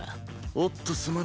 おっとすまない。